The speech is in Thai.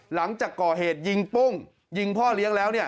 หลังจากก่อเหตุยิงปุ้งยิงพ่อเลี้ยงแล้ว